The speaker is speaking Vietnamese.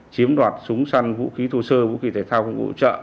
chiếm đoạt súng săn vũ khí thô sơ vũ khí thể thao công cụ hỗ trợ